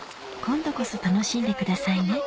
今度こそ楽しんでくださいね